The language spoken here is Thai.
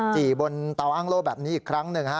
จี่บนเตาอ้างโล่แบบนี้อีกครั้งหนึ่งฮะ